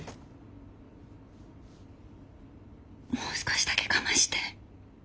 もう少しだけ我慢して。